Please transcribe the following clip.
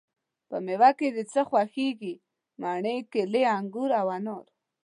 په میوه کی د څه خوښیږی؟ مڼې، کیلې، انګور او انار